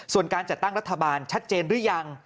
ส่วนการจัดตั้งรัฐบาลชัดเจนหรือยัง